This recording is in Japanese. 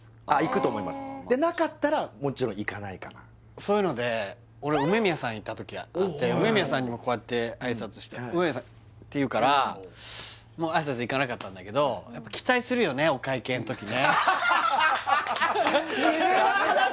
そういうので俺梅宮さんいた時あって梅宮さんにもこうやって挨拶したら梅宮さんっていうからもう挨拶行かなかったんだけどアッハッハッハッハッダメダメダメ！